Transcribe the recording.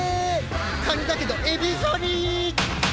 カニだけどエビぞり。